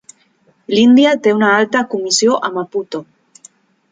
L'Índia té una Alta Comissió a Maputo.